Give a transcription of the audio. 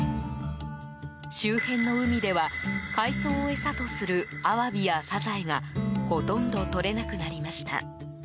周辺の海では海藻を餌とするアワビやサザエがほとんど、とれなくなりました。